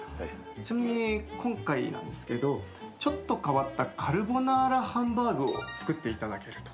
ちなみに今回なんですけどちょっと変わったカルボナーラハンバーグを作っていただけると。